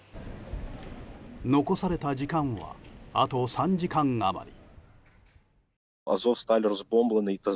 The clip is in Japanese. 残された時間はあと３時間余り。